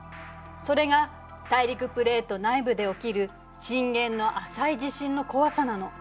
それが大陸プレート内部で起きる震源の浅い地震の怖さなの。